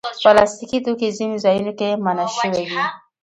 پلاستيکي توکي ځینو ځایونو کې منع شوي دي.